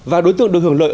và đối tượng được hưởng lợi